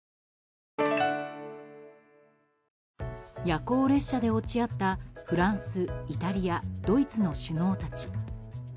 夜行列車で落ち合ったフランス、イタリア、ドイツの首脳たち。